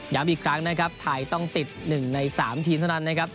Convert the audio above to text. อีกครั้งนะครับไทยต้องติด๑ใน๓ทีมเท่านั้นนะครับ